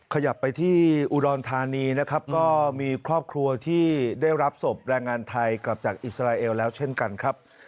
ขยับไปที่อุดรธานีนะครับก็มีครอบครัวที่ได้รับศพแรงงานไทยกลับจากอิสราเอลแล้วเช่นกันครับ